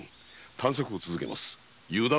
探索を続けます。